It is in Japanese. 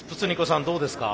さんどうですか？